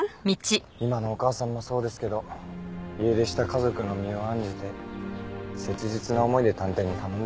今のお母さんもそうですけど家出した家族の身を案じて切実な思いで探偵に頼んでるんだろうな。